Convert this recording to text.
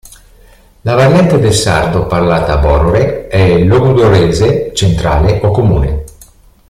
La variante del sardo parlata a Borore è il logudorese centrale o comune.